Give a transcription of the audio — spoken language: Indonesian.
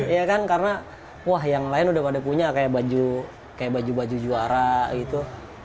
iya kan karena wah yang lain udah pada punya kayak baju kayak baju baju juara gitu